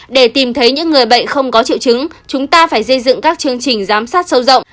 để tìm thấy những người bệnh không có triệu chứng chúng ta phải xây dựng các chương trình giám sát sâu rộng